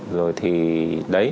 rồi thì đấy